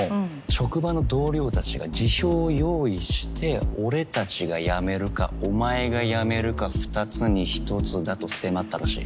職場の同僚たちが辞表を用意して俺たちが辞めるかお前が辞めるか二つに一つだと迫ったらしい。